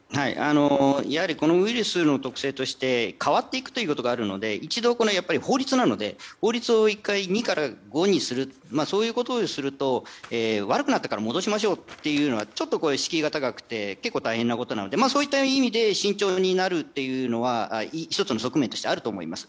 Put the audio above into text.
やはりこのウイルスの特性として変わっていくということがあるので法律なので、法律を一回２から５にするそういうことをすると悪くなったから戻しましょうというのがちょっと敷居が高くて結構大変なことなのでそういう意味で慎重になるというのは１つ側面としてあると思います。